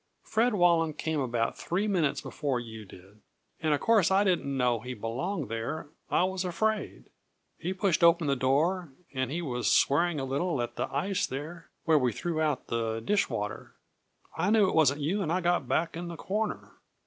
Fred Walland came about three minutes before you did, and of course I didn't know he belonged there. I was afraid. He pushed open the door, and he was swearing a little at the ice there, where we threw out the dish water. I knew it wasn't you, and I got back in the corner.